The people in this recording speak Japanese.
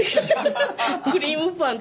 クリームパン。